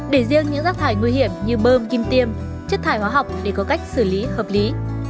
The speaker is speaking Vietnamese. để riêng những rác thải nguy hiểm như bơm kim tiêm chất thải hóa học để có cách xử lý hợp lý